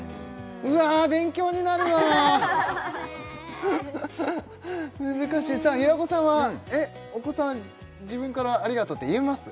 うわ勉強になるな難しいさあ平子さんはえっお子さん自分から「ありがとう」って言えます？